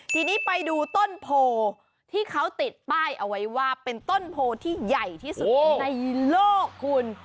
ทีนี้ไปดูต้นโพที่เขาติดป้ายเอาไว้ว่าเป็นต้นโพที่ใหญ่ที่สุดในโลกคุณ